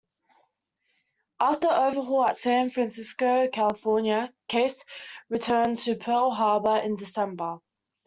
After overhaul at San Francisco, California, "Case" returned to Pearl Harbor in December.